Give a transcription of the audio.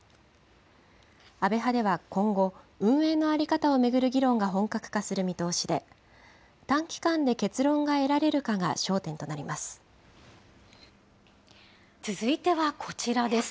安倍派では今後、運営の在り方を巡る議論が本格化する見通しで、短期間で結論が得続いてはこちらです。